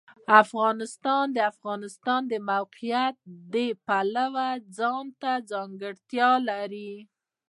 افغانستان د د افغانستان د موقعیت د پلوه ځانته ځانګړتیا لري.